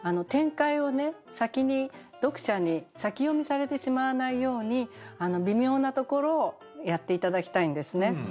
展開を先に読者に先読みされてしまわないように微妙なところをやって頂きたいんですね。